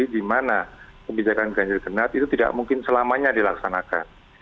di mana kebijakan ganjil genap itu tidak mungkin selamanya dilaksanakan